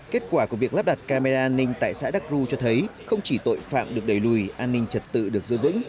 kết quả của việc lắp đặt camera an ninh tại xã đắc ru cho thấy không chỉ tội phạm được đẩy lùi an ninh trật tự được giữ vững